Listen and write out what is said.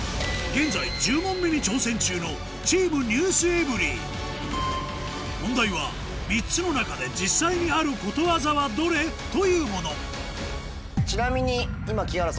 現在１０問目に挑戦中のチーム『ｎｅｗｓｅｖｅｒｙ．』問題は３つの中でというものちなみに。